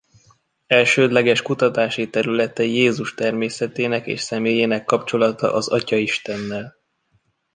Elsődleges kutatási területe Jézus természetének és személyének kapcsolata az Atya Istennel.